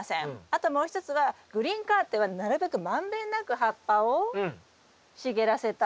あともう一つはグリーンカーテンはなるべく満遍なく葉っぱを茂らせたい。